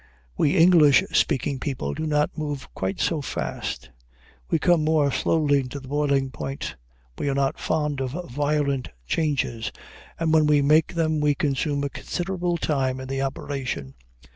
We English speaking people do not move quite so fast. We come more slowly to the boiling point; we are not fond of violent changes, and when we make them we consume a considerable time in the operation.